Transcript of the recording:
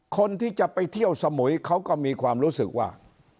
คนที่จะไปเที่ยวสมุยเขาก็มีความรู้สึกว่า